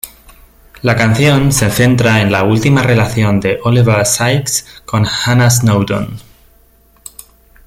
La canción se centra en la última relación de Oliver Sykes con Hannah Snowdon.